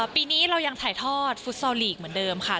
ปีนี้เรายังถ่ายทอดฟุตซอลลีกเหมือนเดิมค่ะ